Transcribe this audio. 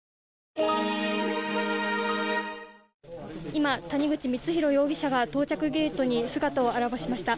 今、谷口光弘容疑者が到着ゲートに姿を現しました。